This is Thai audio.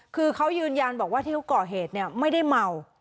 คือเขายืนยันบอกว่าที่เขาก่อเหตุไม่ได้เมา